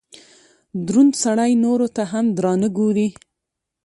دروند سړئ نورو ته هم درانه ګوري